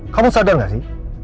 kamu sadar gak sih